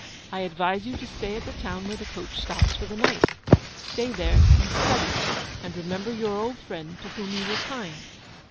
I advise you to stay at the town where the coach stops for the night. Stay there and study, and remember your old friend to whom you were kind.